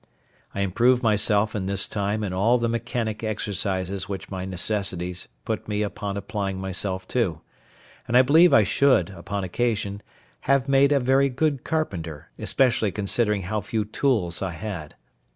I improved myself in this time in all the mechanic exercises which my necessities put me upon applying myself to; and I believe I should, upon occasion, have made a very good carpenter, especially considering how few tools I had.